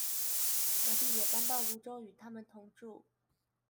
表弟也搬到蘆洲與他們同住